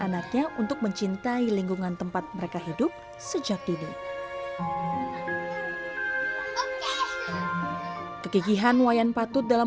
anaknya untuk mencintai lingkungan tempat mereka hidup sejak dini kegigihan wayan patut dalam